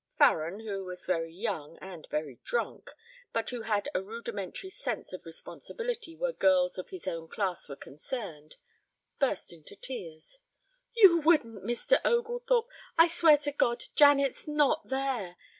Farren, who was very young and very drunk, but who had a rudimentary sense of responsibility where girls of his own class were concerned, burst into tears. "You wouldn't, Mr. Oglethorpe! I swear to God Janet's not there.